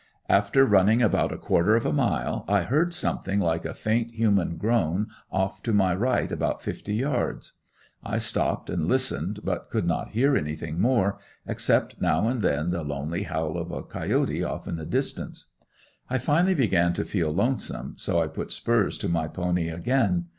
After running about a quarter of a mile I heard something like a faint, human groan, off to my right about fifty yards. I stopped and listened, but could not hear anything more, except now and then the lonely howl of a coyote off in the distance. I finally began to feel lonesome, so I put spurs to my pony again.